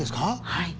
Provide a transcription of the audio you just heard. はい。